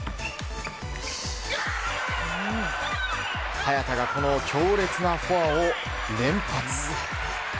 早田が強烈なフォアを連発。